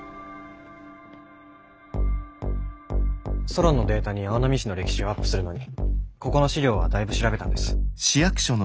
ソロンのデータに青波市の歴史をアップするのにここの資料は大部調べたんです。